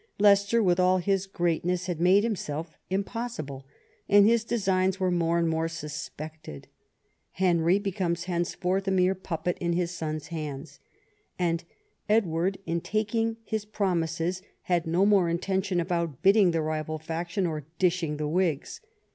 Leicester with all his great ness had made himself impossible, and his designs were more and more suspected. Henry becomes henceforth a mere puppet in his son's hands. And Edward, in taking his promises, had no mere intention of outbidding the rival faction or "dishing the Whigs."